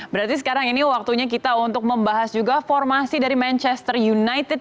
berarti sekarang ini waktunya kita untuk membahas juga formasi dari manchester united